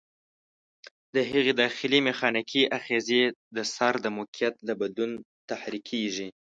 د هغې داخلي میخانیکي آخذې د سر د موقعیت له بدلون تحریکېږي.